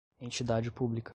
entidade pública